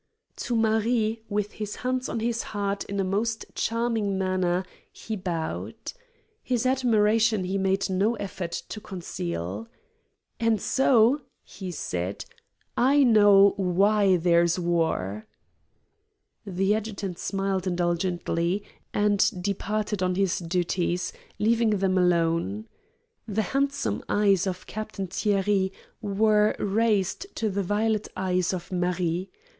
To Marie, with his hand on his heart in a most charming manner, he bowed. His admiration he made no effort to conceal. "And so," he said, "I know why there is war!" The adjutant smiled indulgently, and departed on his duties, leaving them alone. The handsome eyes of Captain Thierry were raised to the violet eyes of Marie.